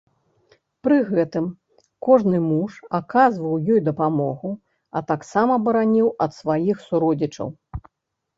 Пры гэтым кожны муж аказваў ёй дапамогу, а таксама бараніў ад сваіх суродзічаў.